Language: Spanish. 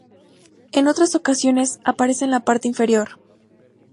En otras ocasiones aparece en la parte inferior.